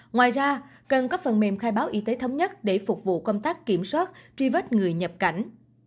ngoài ra cần có phần mềm khai báo y tế thống nhất để phục vụ công tác kiểm soát truy vết người nhập cảnh